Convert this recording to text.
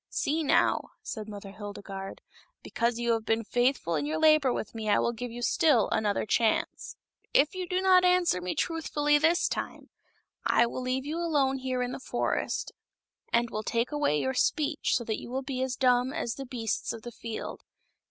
" See now," said Mother Hildegarde, " because you have been faithful in your labor with me I will give you still another chance. But if you do not 198 MOTHER HILDEGARDE. answer me truthfully this time, I will leave you alone here in the forest, and will take away your speech so that you will be as dumb as the beasts of the field.